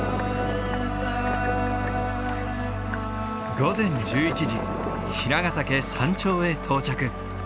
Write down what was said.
午前１１時平ヶ岳山頂へ到着。